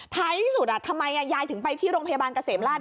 ท้ายที่สุดทำไมยายถึงไปที่โรงพยาบาลเกษมราช